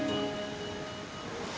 kepulauan ini juga diperlukan dengan perangkap